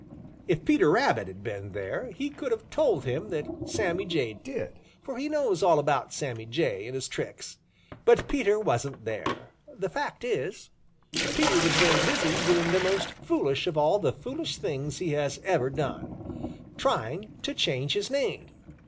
If Peter Rabbit had been there, he could have told him that Sammy Jay did, for he knows all about Sammy Jay and his tricks. But Peter wasn't there. The fact is, Peter was very busy doing the most foolish of all the foolish things he has ever done trying to change his name.